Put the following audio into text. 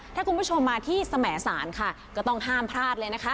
ถ้าคุณผู้ชมมาที่สมสารค่ะก็ต้องห้ามพลาดเลยนะคะ